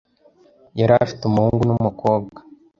yari afite Umuhungu n'umukobwa